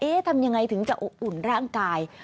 เอ๊ยทำอย่างไรถึงจะอุ่นร่างกาย